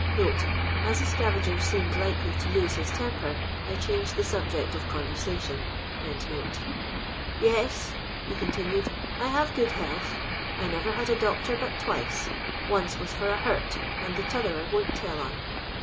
[As the scavager seemed likely to lose his tem per, I changed the subject of conversation.] " Yes," he continaed, " I have good Ileal th. I never had a doctor but twice ; once was for a hut, and the t'other I won't tell on.